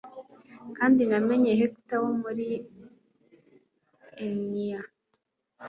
kandi namenye Hector wo muri Aineya